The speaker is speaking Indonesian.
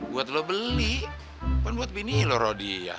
buat lo beli kan buat bini loh rudy